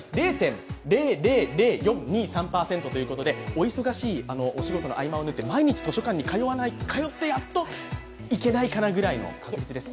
お忙しいお仕事の合間を縫って毎日図書館に通ってやっといけないかなぐらいの感じです。